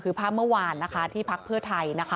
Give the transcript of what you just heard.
คือภาพเมื่อวานที่พักเพื่อไทย